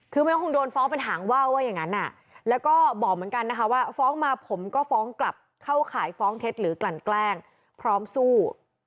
คือมันก็คงโดนฟ้องเป็นหางว่าวว่าอย่างนั้นแล้วก็บอกเหมือนกันนะคะว่าฟ้องมาผมก็ฟ้องกลับเข้าข่ายฟ้องเท็จหรือกลั่นแกล้งพร้อมสู้